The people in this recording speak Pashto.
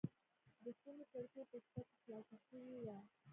د خونې کړکۍ په شپه کې خلاصه شوې وه.